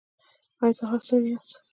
ایا سهار ستړي یاست؟